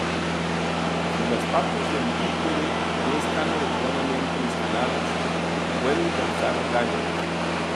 Si las patas del bípode no están adecuadamente instaladas, pueden causar daños".